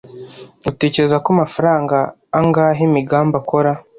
Utekereza ko amafaranga angahe Migambi akora?